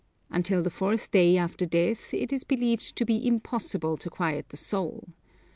Until the fourth day after death it is believed to be impossible to quiet the soul.